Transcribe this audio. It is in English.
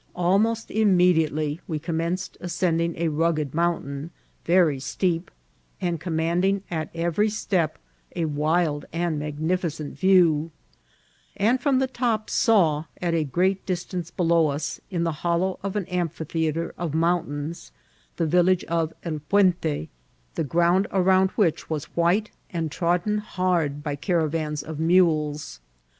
Almost immediately we commenced ascending a rugged mount ain, very steep, and commanding at every step a wild and magnificent view ; and from the top saw, at a great distance below us, in the hollow of an amphitheatre of mountains, the village of El Puente, the ground around 168 INCIDIIITS OF TEATBL. which was white, and trodden hard by cara^ana ct mnles.